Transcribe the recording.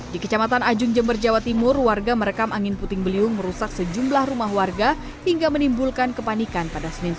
di kecamatan ajung jember jawa timur warga merekam angin puting beliung merusak sejumlah rumah warga hingga menimbulkan kepanikan pada senin siang